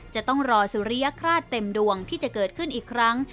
จะต้องรอสุริยคราชเต็มดวงที่จะเกิดขึ้นอีกครั้ง